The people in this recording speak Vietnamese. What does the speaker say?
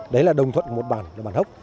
đấy là đồng thuận một bàn một bàn hốc